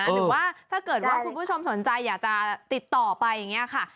หรือว่าถ้าเกิดว่าคุณผู้ชมสนใจอยากจะติดต่อไปอย่างนี้ค่ะ